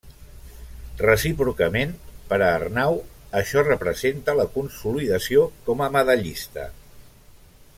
Recíprocament, per a Arnau, això representa la consolidació com a medallista.